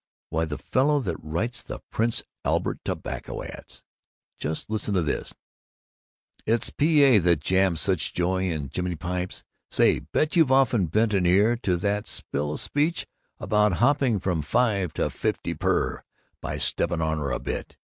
Why, the fellow that writes the Prince Albert Tobacco ads! Just listen to this: It's P.A. that jams such joy in jimmy pipes. Say bet you've often bent an ear to that spill of speech about hopping from five to f i f t y p e r by "stepping on her a bit!"